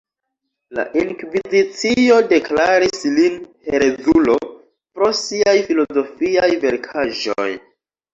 La inkvizicio deklaris lin herezulo pro siaj filozofiaj verkaĵoj.